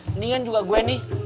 mendingan juga gue nih